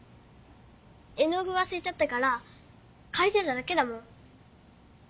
絵の具わすれちゃったからかりてただけだもん。